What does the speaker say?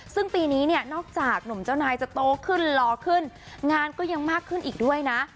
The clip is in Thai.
ซึ่งปีนี้เนี่ยนอกจากหนุ่มเจ้านายจะโตขึ้นหล่อขึ้นงานก็ยังมากขึ้นอีกด้วยนะ